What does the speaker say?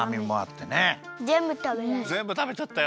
ぜんぶたべちゃった！